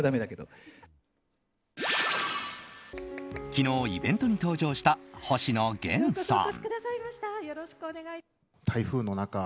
昨日イベントに登場した星野源さん。